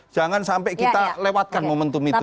jangan sampai kita lewatkan momentum itu